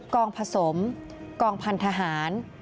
ผสมกองพันธหาร